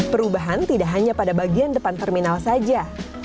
perubahan tidak hanya pada bagian depan terminal saja